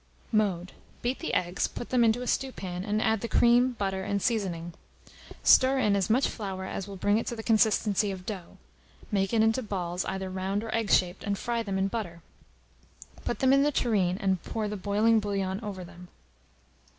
Mode. Beat the eggs, put them into a stewpan, and add the cream, butter, and seasoning; stir in as much flour as will bring it to the consistency of dough; make it into balls, either round or egg shaped, and fry them in butter; put them in the tureen, and pour the boiling bouillon over them.